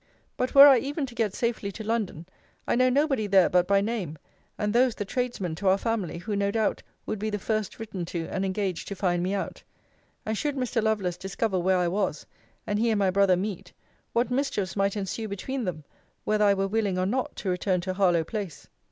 But were I even to get safely to London, I know nobody there but by name; and those the tradesmen to our family; who, no doubt, would be the first written to and engaged to find me out. And should Mr. Lovelace discover where I was, and he and my brother meet, what mischiefs might ensue between them, whether I were willing or not to return to Harlowe place!